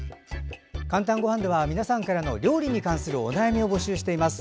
「かんたんごはん」では皆さんからの料理に関するお悩みを募集しています。